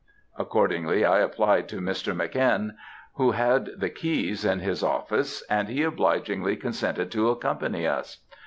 Accordingly, I applied to Mr. Mc. N., who had the keys in his office, and he obligingly consented to accompany us.